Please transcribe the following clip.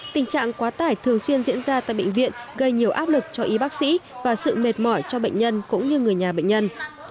tình trạng quá tải thường xuyên diễn ra tại bệnh viện gây nhiều áp lực cho y bác sĩ và sự mệt mỏi cho bệnh nhân cũng như người nhà bệnh nhân